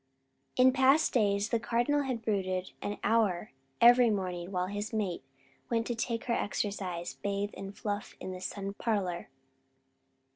In past days the Cardinal had brooded an hour every morning while his mate went to take her exercise, bathe, and fluff in the sun parlour.